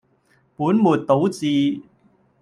本末倒置